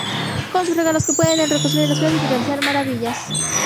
Con sus regalos, que pueden reconstruir la ciudad y realizar maravillas.